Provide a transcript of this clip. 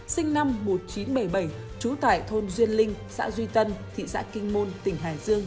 sinh năm một nghìn chín trăm bảy mươi bảy trú tại thôn duyên linh xã duy tân thị xã kinh môn tỉnh hải dương